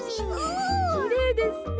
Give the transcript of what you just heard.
きれいですね。